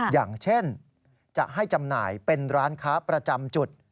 อย่างเช่นจะให้จำหน่ายเป็นร้านค้าประจำจุด